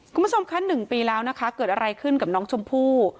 คุณผู้ชมคะ๑ปีแล้วนะคะเกิดอะไรขึ้นกับน้องชมพู่